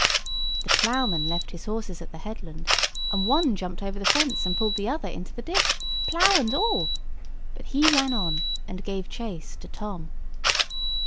The ploughman left his horses at the headland, and one jumped over the fence, and pulled the other into the ditch, plough and all; but he ran on, and gave chase to Tom.